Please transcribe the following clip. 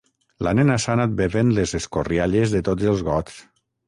La nena s'ha anat bevent les escorrialles de tots els gots.